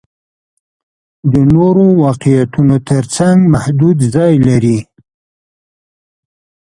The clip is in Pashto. د نورو واقعیتونو تر څنګ محدود ځای لري.